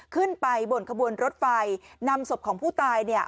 ขึ้นไปบนขบวนรถไฟนำศพของผู้ตาย